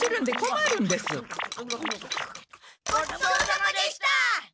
ごちそうさまでした！